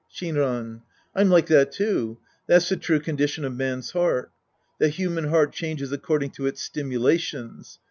Skinmn. I'm like that, too. That's the true condition of man's heart. The human heart changes according to its stimulations.